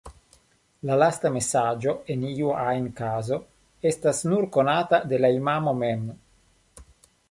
La lasta mesaĝo en iu ajn kazo estas nur konata de la imamo mem.